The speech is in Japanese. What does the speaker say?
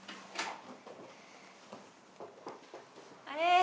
あれ？